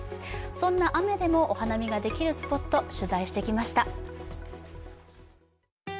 そんな雨でもお花見ができるスポット、取材してきました。